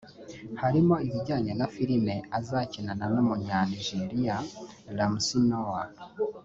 harimo ibijyanye na filime azakinana n’umunya Nigeria Ramsey Nouah